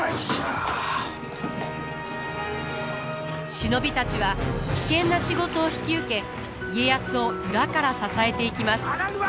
忍びたちは危険な仕事を引き受け家康を裏から支えていきます。